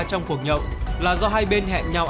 trong cuộc nhậu là do hai bên hẹn nhau